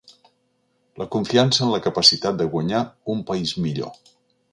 La confiança en la capacitat de guanyar un país millor.